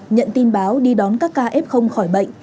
nhận tin báo đi đón các ca f khỏi bệnh